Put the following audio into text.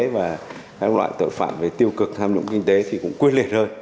và các loại tội phạm về tiêu cực tham nhũng kinh tế thì cũng quyết liệt hơn